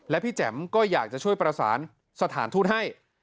และพี่แจ๋มก็อยากจะช่วยประสานสถานทูตให้